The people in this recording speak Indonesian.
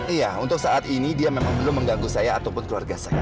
iya untuk saat ini dia memang belum mengganggu saya ataupun keluarga saya